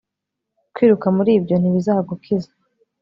kwiruka muri byo ntibizagukiza